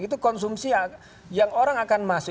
itu konsumsi yang orang akan masih